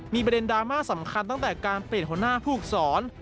มีประเด็นดราม่าสำคัญตั้งแต่การเปลี่ยนหัวหน้าผู้ฝึกสอน